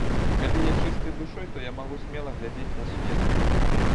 Калі я чысты душой, то я магу смела глядзець на свет.